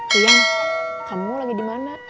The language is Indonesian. kuyang kamu lagi dimana